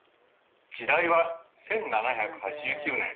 時代は、１７８９年。